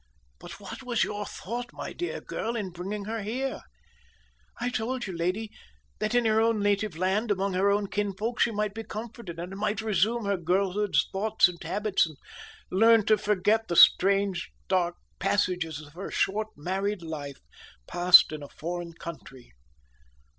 "But what was your thought, my dear girl, in bringing her here?" "I told you, lady, that in her own native land, among her own kinsfolk, she might be comforted, and might resume her girlhood's thoughts and habits, and learn to forget the strange, dark passages of her short married life, passed in a foreign country."